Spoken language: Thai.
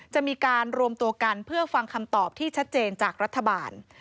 จะมีการรวมตัวกันเพื่อฟังคำตอบที่ชัดเจนจากรัฐบาล